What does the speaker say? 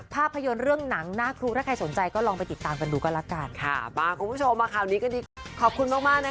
ภาพยนตร์เรื่องหนังหน้ากรูถ้าใครสนใจก็ลองไปติดตามกันดูก็ละกัน